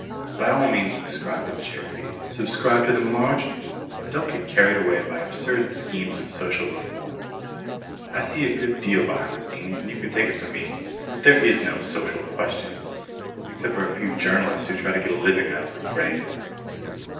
"By all means subscribe to charities subscribe to them largely but don't get carried away by absurd schemes of Social Reform. I see a good deal behind the scenes, and you can take it from me that there is no Social Question except for a few journalists who try to get a living out of the phrase.